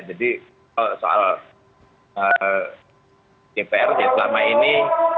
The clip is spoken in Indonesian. jadi soal dpr ya selama ini